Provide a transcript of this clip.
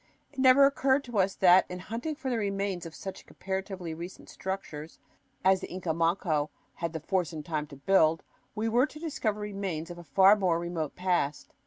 It never occurred to us that, in hunting for the remains of such comparatively recent structures as the Inca Manco had the force and time to build, we were to discover remains of a far more remote past.